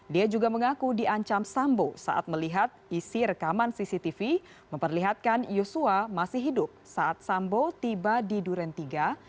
dia juga mengaku diancam sambo saat melihat isi rekaman cctv memperlihatkan yosua masih hidup saat sambo tiba di duren tiga